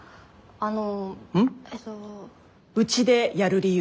うちでやる理由。